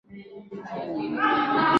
yao ya asili walianza Zaidi ya watu laki